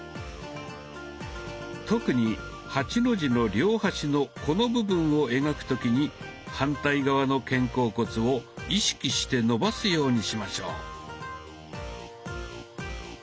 特に８の字の両端のこの部分を描く時に反対側の肩甲骨を意識して伸ばすようにしましょう。